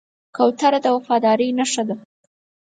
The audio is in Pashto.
کوتره د وفادارۍ نښه ده.